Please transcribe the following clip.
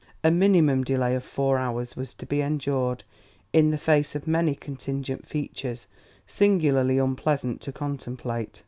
A minimum delay of four hours was to be endured in the face of many contingent features singularly unpleasant to contemplate.